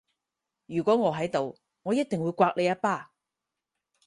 如果我喺度我一定會摑你一巴